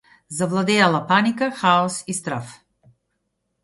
Завладеала паника, хаос и страв.